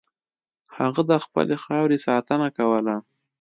هغه د خپلې خاورې ساتنه کوله.